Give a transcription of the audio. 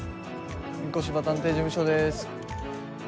御子柴探偵事務所です。